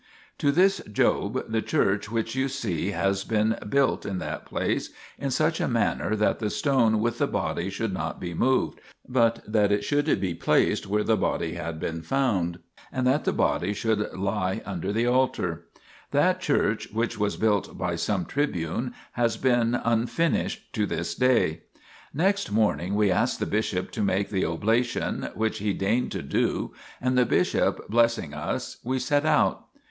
To this Job the church which you see was then built in that place, in such a manner that the stone with the body should not be moved, but that it should be placed, where the body had been found, and that the body should He under the altar. That church, which was built by some tribune, has been unfinished to this day. Next morning we asked the bishop to make the oblation, which he deigned to do, and the bishop blessing us, we set out.